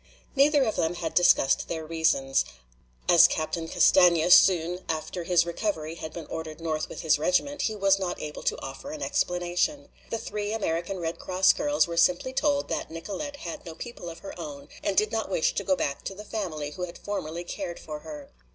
Neither of them had discussed their reasons. As Captain Castaigne soon after his recovery had been ordered north with his regiment, he was not able to offer an explanation. The three American Red Cross girls were simply told that Nicolete had no people of her own and did not wish to go back to the family who had formerly cared for her.